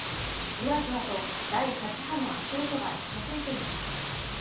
じわじわと第８波の足音が近づいています。